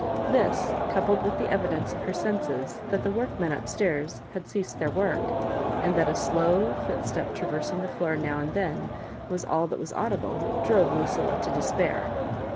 This, coupled with the evi dence of her senses that the workmen up stairs had ceased their work, and that a slow footstep traversing tlie floor now and then was all that was audible, drove Lucilla to despair.